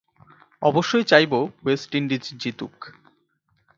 অবশ্যই চাইব West Indies জিতুক।